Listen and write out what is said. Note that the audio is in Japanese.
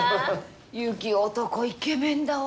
雪男イケメンだわ。